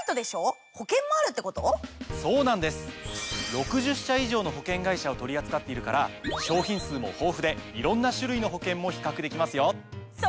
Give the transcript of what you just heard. ６０社以上の保険会社を取り扱っているから商品数も豊富でいろんな種類の保険も比較できますよ。